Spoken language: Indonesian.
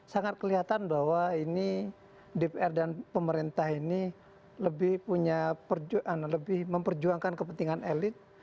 sangat kelihatan bahwa ini dpr dan pemerintah ini lebih memperjuangkan kepentingan elit